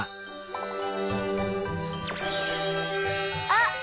あっ！